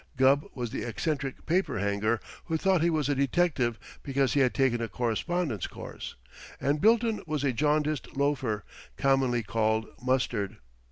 Gubb was the eccentric paper hanger who thought he was a detective because he had taken a correspondence course, and Bilton was a jaundiced loafer, commonly called Mustard.